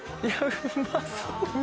うまそう！